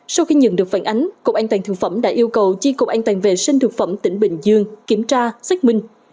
sau khi nhận được phản ánh cục an toàn thực phẩm đã yêu cầu chi cục an toàn vệ sinh thực phẩm tỉnh bình dương kiểm tra xác minh